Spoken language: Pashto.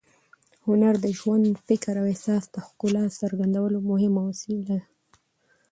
هنر د ژوند، فکر او احساس د ښکلا څرګندولو مهم وسیله ده.